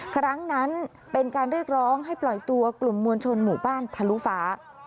ครั้งนั้นเป็นการเรียกร้องให้ปล่อยตัวกลุ่มมวลชนหมู่บ้านทะลุฟ้า